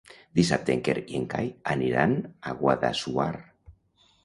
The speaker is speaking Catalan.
Dissabte en Quer i en Cai aniran a Guadassuar.